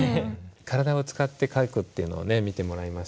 体を使って書くっていうのを見てもらいました。